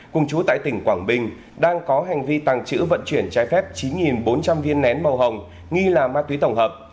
cùng chú tại tỉnh quảng bình đang có hành vi tàng trữ vận chuyển trái phép chín bốn trăm linh viên nén màu hồng nghi là ma túy tổng hợp